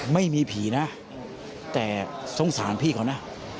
ไม่มีผีนะแต่สงสารพี่เขานะ